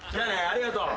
ありがとう。